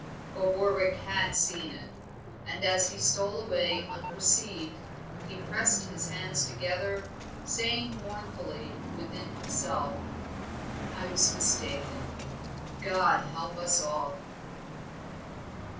But Warwick had seen it, and as he stole away unperceived he pressed his hands together, saying mournfully within himself, "I was mistaken. God help us all."